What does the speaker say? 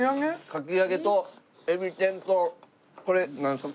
かき揚げとえび天とこれなんですか？